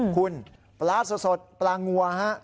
คุณปลาสดปลางัวฮะ